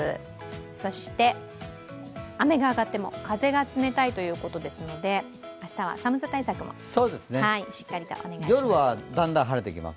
そして、雨があがっても風が冷たいということですので明日は寒さ対策もしっかりとお願いします。